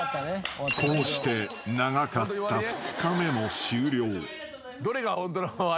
［こうして長かった２日目も終了］